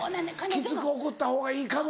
きつく怒った方がいいかも。